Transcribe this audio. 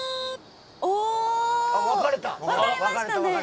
分かれましたね。